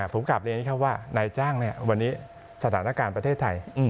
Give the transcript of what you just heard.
ผมกลับเรียนให้เขาว่านายจ้างเนี่ยวันนี้สถานการณ์ประเทศไทย